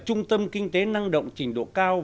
trung tâm kinh tế năng động trình độ cao